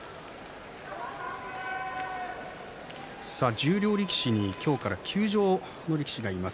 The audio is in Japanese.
十両力士に、今日から休場の力士になります。